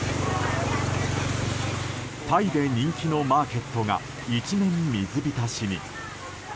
タイで人気のマーケットが一面水浸しに。